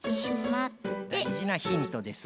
だいじなヒントです。